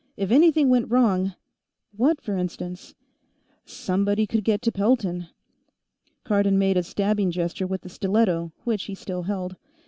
If anything went wrong " "What, for instance?" "Somebody could get to Pelton." Cardon made a stabbing gesture with the stiletto, which he still held.